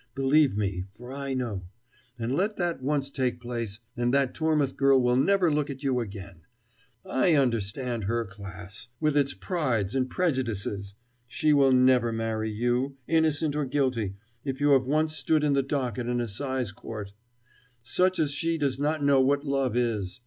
Believe me, for I know. And let that once take place, and that Tormouth girl will never look at you again. I understand her class, with its prides and prejudices she will never marry you innocent or guilty if you have once stood in the dock at an assize court. Such as she does not know what love is.